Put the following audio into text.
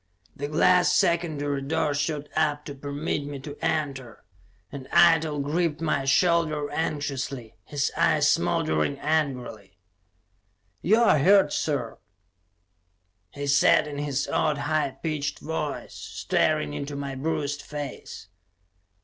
The glass secondary door shot up to permit me to enter, and Eitel gripped my shoulder anxiously, his eyes smoldering angrily. "You're hurt, sir!" he said in his odd, high pitched voice, staring into my bruised face.